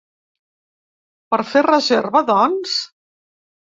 Puc fer reserva doncs?